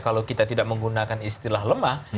kalau kita tidak menggunakan istilah lemah